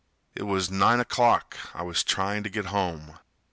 It was nine o'clock, I was trying to get home.